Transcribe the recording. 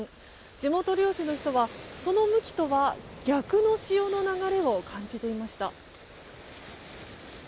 地元漁師の人は、その向きとは逆の潮の流れを感じていました。